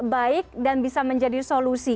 baik dan bisa menjadi solusi